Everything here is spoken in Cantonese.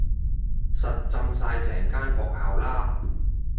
實浸晒成間學校啦